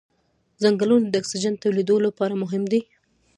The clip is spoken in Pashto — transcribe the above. ځنګلونه د اکسیجن تولیدولو لپاره مهم دي